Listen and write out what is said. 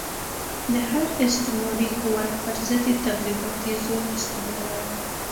د هر استعماري قوت پر ضد یې تبلیغاتي زور استعمالاوه.